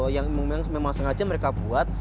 yang memang sengaja mereka buat